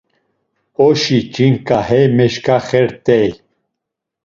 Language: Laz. Oşi ç̌inǩa hey meşǩaxert̆ey.